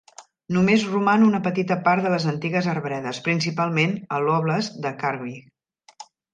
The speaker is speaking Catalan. Només roman una petita part de les antigues arbredes, principalment a l'óblast de Kharkiv.